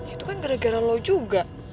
itu kan gara gara low juga